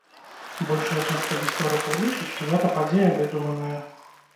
Большая частка гісторыкаў лічыць, што гэта падзея выдуманая.